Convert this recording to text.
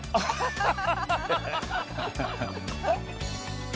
ハハハハ！